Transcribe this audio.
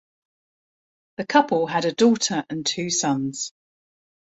The couple had a daughter and two sons.